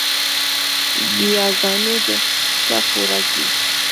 ګياګانې د چا خوراک دے؟